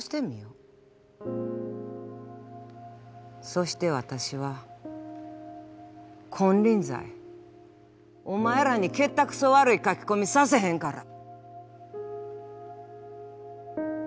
そしてわたしは金輪際お前らにけったくそ悪い書き込みさせへんから。